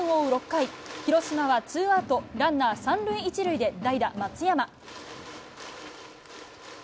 ６回、広島はツーアウトランナー３塁１塁で代打、松山。